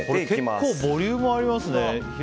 結構ボリュームありますね。